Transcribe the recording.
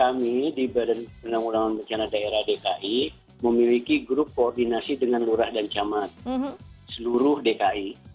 jadi kami di badan penelunggangan bencana daerah dki memiliki grup koordinasi dengan lurah dan camat seluruh dki